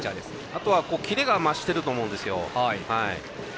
あとはキレが増していると思うんです。